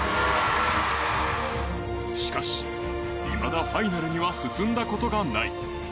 しかし、いまだファイナルには進んだことがない。